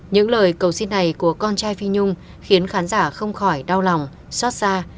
những lời cầu xin này của con trai phi nhung khiến khán giả không khỏi đau lòng xót xa